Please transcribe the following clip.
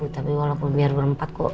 tapi walaupun biar berempat kok